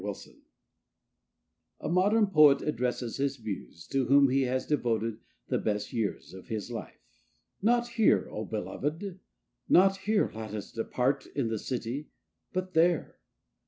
UNSUCCESS A modern Poet addresses his Muse, to whom he has devoted the best Years of his Life I Not here, O belovéd! not here let us part, in the city, but there!